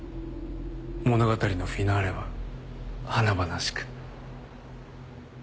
物語のフィナーレは華々しく。